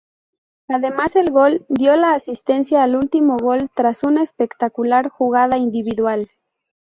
Además del gol, dio la asistencia al último gol tras una espectacular jugada individual.